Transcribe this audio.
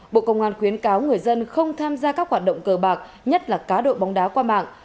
bộ công an khuyến cáo người dân không tham gia các hoạt động cờ bạc nhất là cá độ bóng đá qua mạng